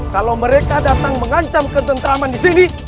kalau mereka datang mengancam ke tenteraman di sini